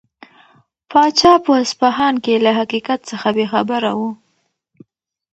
پاچا په اصفهان کې له حقیقت څخه بې خبره و.